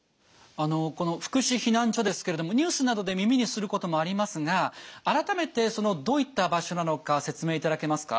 この福祉避難所ですけれどもニュースなどで耳にすることもありますが改めてどういった場所なのか説明いただけますか？